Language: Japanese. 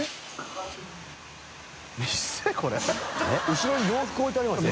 後ろに洋服置いてありますよ。